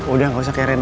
udah gak usah keren